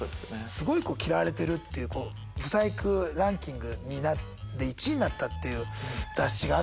すごい嫌われてるっていうブサイクランキングで１位になったっていう雑誌があって。